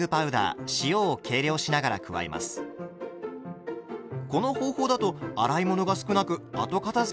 この方法だと洗い物が少なく後片づけも楽ですね。